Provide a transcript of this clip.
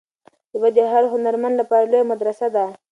طبیعت د هر هنرمند لپاره لویه مدرسه ده.